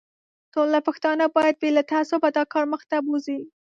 ټوله پښتانه باید بې له تعصبه دا کار مخ ته بوزي.